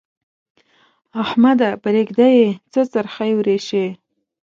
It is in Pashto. احمده! پرېږده يې؛ څه څرخی ورېشې.